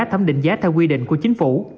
thấm định giá theo quy định của chính phủ